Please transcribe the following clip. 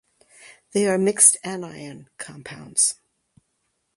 They are mixed anion compounds.